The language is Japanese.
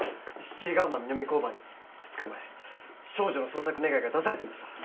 七里ヶ浜南交番に２日前少女の捜索願が出されてました